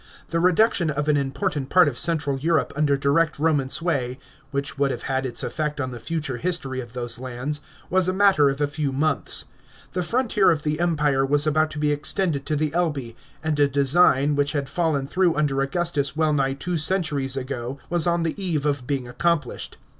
The reduction of an important part of central Europe under direct Kornan sway — which would have had its effect on the future history of those lauds — was a matter of a lew months. The frontier of the Empire was about to be extended to the Elbe, and a design, which had fallen through under Augustus well nigh two centuries ago, was on the eve of being accomplished.